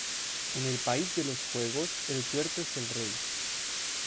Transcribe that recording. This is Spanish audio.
En el país de los juegos, el tuerto es el rey...